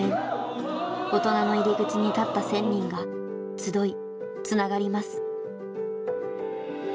大人の入り口に立った１，０００人が集いつながります。